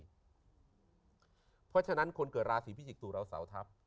เพราะฉะนั้นคนเกิดราศีพิจิกตุเราเสาทัพ